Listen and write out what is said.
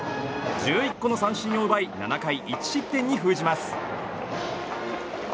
１１個の三振を奪い７回１失点に封じます。